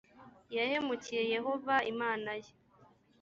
yahemukiye yehova imana ye